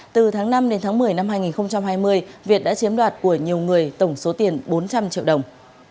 từ tháng năm đến tháng một mươi năm hai nghìn hai mươi việt đã chiếm đoạt của nhiều người tổng số tiền bốn trăm linh triệu đồng